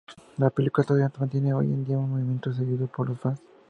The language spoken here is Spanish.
La película todavía mantiene hoy en día un movimiento seguido por los fans.